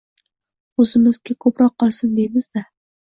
O`zimizga ko`proq qolsin, deymiz-da